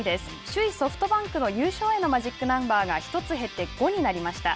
首位ソフトバンクの優勝へのマジックナンバーが１つ減って５になりました。